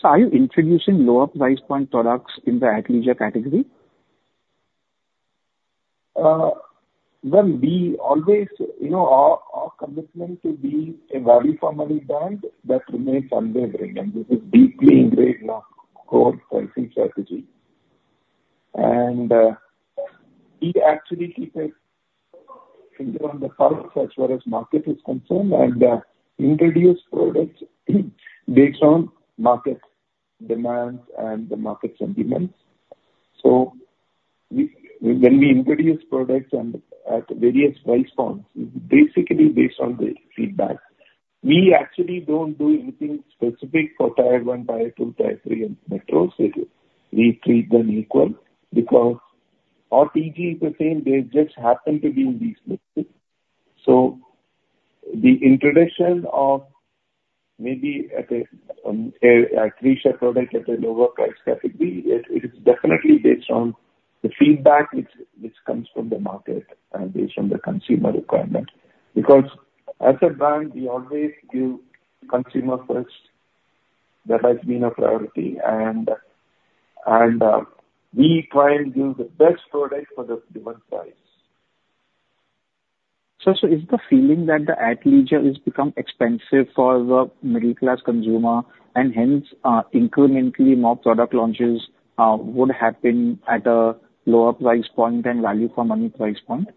Sir, are you introducing lower price point products in the athleisure category? Well, we always, you know, our, our commitment to be a value for money brand, that remains unwavering, and this is deeply ingrained in our core pricing strategy. And, we actually keep a finger on the pulse as far as market is concerned and, introduce products based on market demands and the market sentiments. We, when we introduce products and at various price points, basically based on the feedback, we actually don't do anything specific for tier one, tier two, tier three, and metros. We treat them equal because our TG is the same, they just happen to be in these lists. So the introduction of maybe at a, a, Athleisure product at a lower price category, it, it is definitely based on the feedback which, which comes from the market and based on the consumer requirement. Because as a brand, we always give consumer first. That has been our priority, and we try and give the best product for the different price. So, is the feeling that the Athleisure has become expensive for the middle class consumer, and hence, incrementally, more product launches would happen at a lower price point and value for money price point?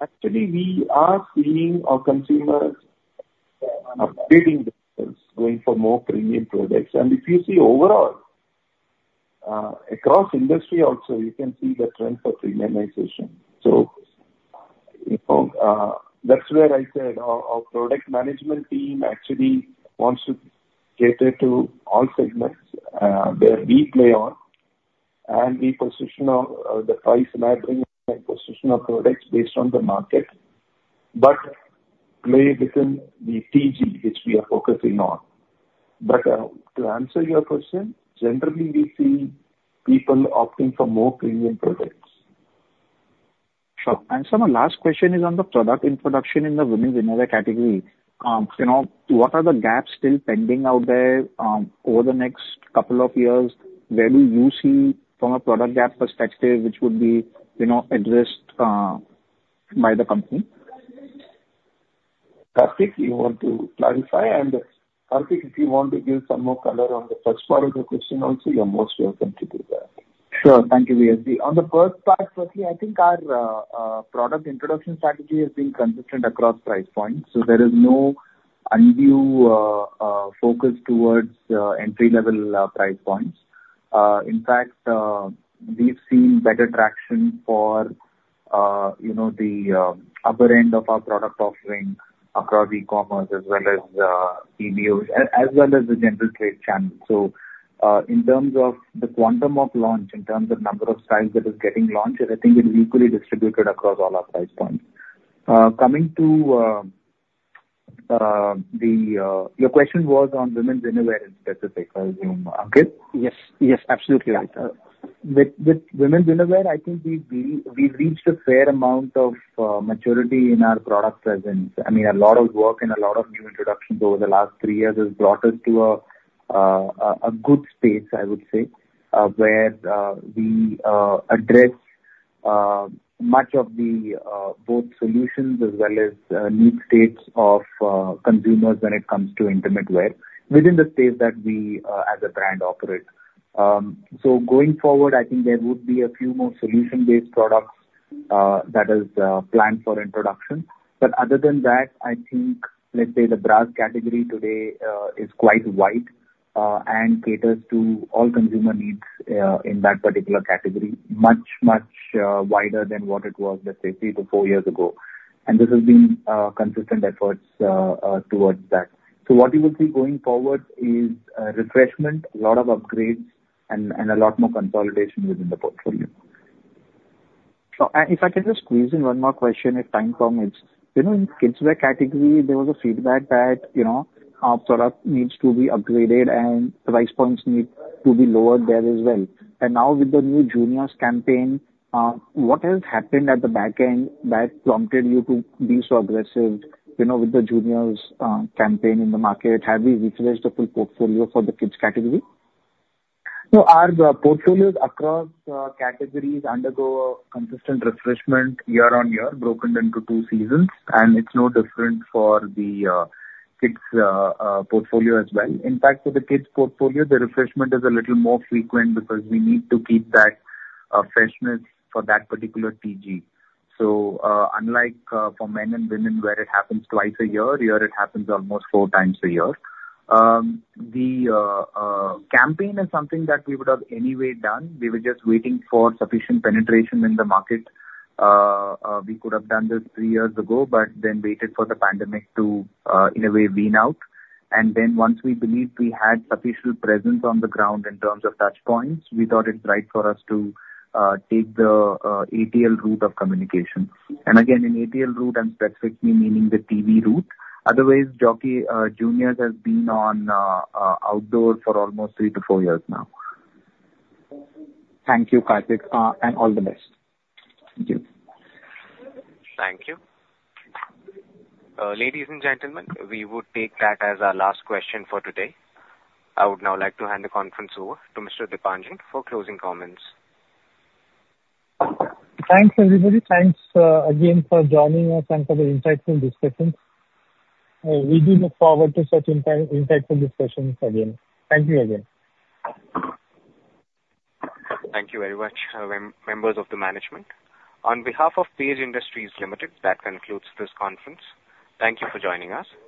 Actually, we are seeing our consumers upgrading themselves, going for more premium products. If you see overall, across industry also, you can see the trend for premiumization. You know, that's where I said our, our product management team actually wants to cater to all segments, where we play on, and we position our, the price layering and position of products based on the market, but play within the TG, which we are focusing on. To answer your question, generally, we see people opting for more premium products. Sure. And sir, my last question is on the product introduction in the women's innerwear category. You know, what are the gaps still pending out there, over the next couple of years? Where do you see from a product gap perspective, which would be, you know, addressed by the company? Karthik, you want to clarify? Karthik, if you want to give some more color on the first part of the question also, you're most welcome to do that. Sure. Thank you, V.S. Ganesh. On the first part, firstly, I think our product introduction strategy has been consistent across price points, so there is no undue focus towards entry-level price points. In fact, we've seen better traction for you know the upper end of our product offering across e-commerce as well as EBOs as well as the general trade channel. So, in terms of the quantum of launch, in terms of number of styles that is getting launched, I think it is equally distributed across all our price points. Coming to the... Your question was on women's innerwear in specific, Ankit? Yes. Yes, absolutely, right, sir. With women's innerwear, I think we've reached a fair amount of maturity in our product presence. I mean, a lot of work and a lot of new introductions over the last three years has brought us to a good space, I would say, where we address much of the both solutions as well as need states of consumers when it comes to intimate wear within the space that we as a brand operate. So going forward, I think there would be a few more solution-based products that is planned for introduction. But other than that, I think, let's say, the bra category today is quite wide and caters to all consumer needs in that particular category. Much, much, wider than what it was, let's say, three to four years ago. And this has been consistent efforts towards that. So what you will see going forward is refreshment, a lot of upgrades and a lot more consolidation within the portfolio. If I could just squeeze in one more question, if time permits. You know, in kids' wear category, there was a feedback that, you know, our product needs to be upgraded and price points need to be lowered there as well. Now with the new juniors campaign, what has happened at the back end that prompted you to be so aggressive, you know, with the juniors campaign in the market? Have we refreshed the full portfolio for the kids category? No, our portfolios across categories undergo consistent refreshment year on year, broken into two seasons, and it's no different for the kids portfolio as well. In fact, for the kids portfolio, the refreshment is a little more frequent because we need to keep that freshness for that particular TG. So, unlike for men and women, where it happens twice a year, here it happens almost four times a year. The campaign is something that we would have anyway done. We were just waiting for sufficient penetration in the market. We could have done this three years ago, but then waited for the pandemic to, in a way, wean out. And then once we believed we had sufficient presence on the ground in terms of touch points, we thought it right for us to take the ATL route of communication. And again, in ATL route, I'm specifically meaning the TV route. Otherwise, Jockey Juniors has been on outdoor for almost 3-4 years now. Thank you, Karthik, and all the best. Thank you. Thank you. Ladies and gentlemen, we would take that as our last question for today. I would now like to hand the conference over to Mr. Deepanjan for closing comments. Thanks, everybody. Thanks, again, for joining us and for the insightful discussions. We do look forward to such in time, insightful discussions again. Thank you again. Thank you very much, members of the management. On behalf of Page Industries Limited, that concludes this conference. Thank you for joining us.